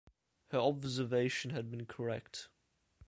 Her observation had been correct.